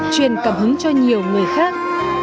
truyền cảm hứng cho nhiều người khác